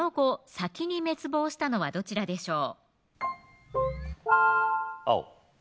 先に滅亡したのはどちらでしょう